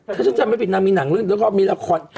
ถ้าฉันจำไม่ผิดนางมีหนังเรื่องแล้วก็มีละคร